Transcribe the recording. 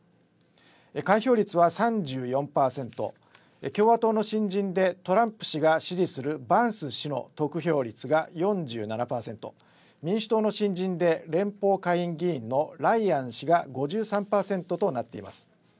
開票率は３４％、共和党の新人でトランプ氏が支持するバンス氏の得票率が４７％、民主党の新人で連邦下院議員のライアン氏が５３％となっています。